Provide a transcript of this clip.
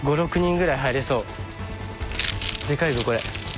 でかいぞこれ。